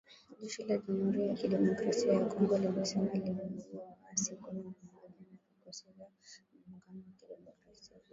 Jeshi la Jamuhuri ya kidemokrasia ya Kongo linasema limeua waasi kumi na mmoja wa Vikosi vya Muungano wa Kidemokrasia